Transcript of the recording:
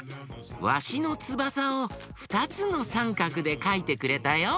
ワシのつばさをふたつのサンカクでかいてくれたよ。